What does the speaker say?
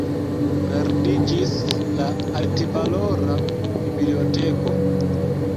Perdiĝis la altvalora biblioteko.